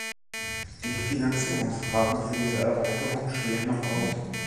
Die Finanzierungsfragen für diese Erweiterung stehen noch aus.